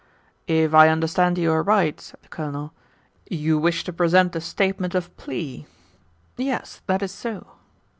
"If I understand you aright," said the Colonel, "you wish to present a Statement of Plea?" "Yes, that is so."